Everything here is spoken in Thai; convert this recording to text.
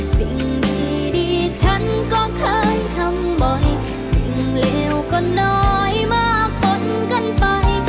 สิ่งดีฉันก็เคยทำบ่อยสิ่งเลวก็น้อยมากปนกันไป